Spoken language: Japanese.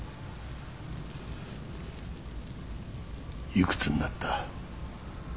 いくつになった？